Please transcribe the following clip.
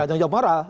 tangan jawab moral